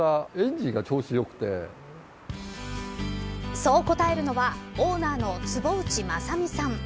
そう答えるのはオーナーの坪内政美さん。